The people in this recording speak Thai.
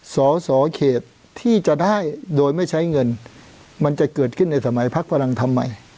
สอสอเขตที่จะได้โดยไม่ใช้เงินมันจะเกิดขึ้นในสมัยพักพลังทำไม